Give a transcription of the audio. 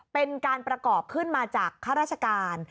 เป็นการประกอบขึ้นมาจากข้าราชการ